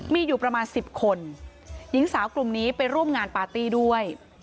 มีอยู่ประมาณ๑๐คนหญิงสาวกลุ่มนี้ไปร่วมงานปาร์ตี้ด้วย